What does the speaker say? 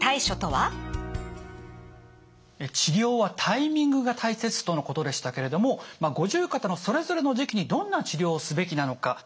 治療はタイミングが大切とのことでしたけれども五十肩のそれぞれの時期にどんな治療をすべきなのか。